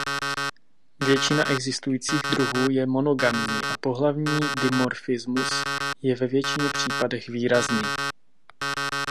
Většina existujících druhů je monogamní a pohlavní dimorfismus je ve většině případech výrazný.